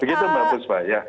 begitu mbak busman